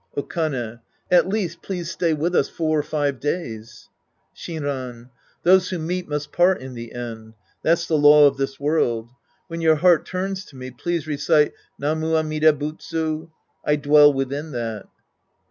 Okane. At least please stay with us four or five days. Shinran. Those who meet must part in the end. That's the law of this world. When your heart turns to me, please recite, " Namu Amida Butsu." I dwell within that.